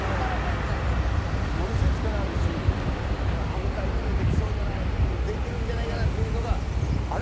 ものすごい力あるしなんか歯応えいいのできそうじゃないできるんじゃないかなっていうのがあれ？